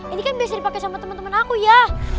ini kan biasa dipake sama temen temen aku ya